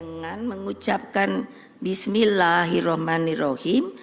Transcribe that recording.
dengan mengucapkan bismillahirrahmanirrahim